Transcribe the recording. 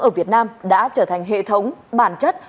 ở việt nam đã trở thành hệ thống bản chất